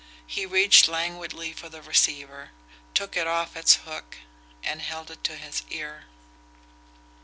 He reached languidly for the receiver, took it off its hook, and held it to his ear.